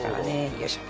よいしょ。